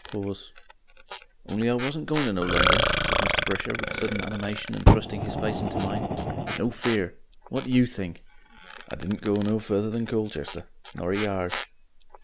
Pause. "On'y I wasn't going to no London," said Mr. Brisher, with sudden animation, and thrusting his face into mine. "No fear! What do YOU think? "I didn't go no further than Colchester not a yard.